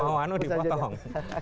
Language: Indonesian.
mau anu dipotong